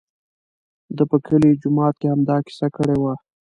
ده په کلي جومات کې همدا کیسه کړې وه.